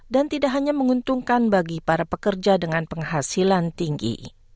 dan tidak hanya menguntungkan bagi para pekerja dengan penghasilan tinggi